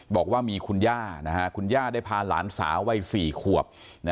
บอกว่ามีคุณย่าคุณย่าได้พาหลานสาววัย๔ขวบ